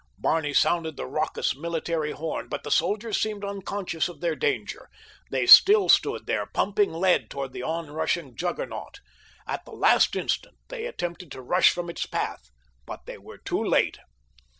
Barney sounded the raucous military horn; but the soldiers seemed unconscious of their danger—they still stood there pumping lead toward the onrushing Juggernaut. At the last instant they attempted to rush from its path; but they were too late.